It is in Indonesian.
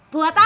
buat apa mak